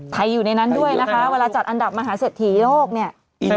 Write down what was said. อยู่ในนั้นด้วยนะคะเวลาจัดอันดับมหาเศรษฐีโลกเนี่ย